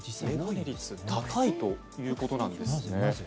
眼鏡率が高いということなんですね。